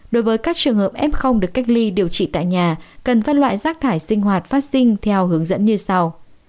đối với các trường hợp f được cách ly điều trị tại nhà cần phân loại rác thải sinh hoạt phát sinh theo hướng dẫn như sau